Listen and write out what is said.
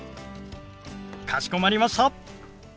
かしこまりました！